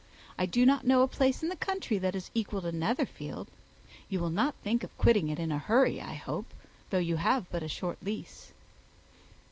I do not know a place in the country that is equal to Netherfield. You will not think of quitting it in a hurry, I hope, though you have but a short lease."